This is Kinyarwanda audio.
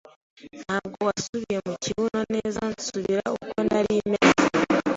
ntawo wasubiye mu kibuno neza nsubira uko nari meze